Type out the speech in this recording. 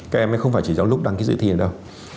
các em ấy không phải chỉ giống lúc đăng ký dự thi này đâu